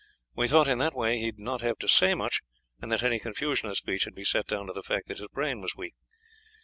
We thought in that way he would not have to say much, and that any confusion of speech would be set down to the fact that his brain was weak.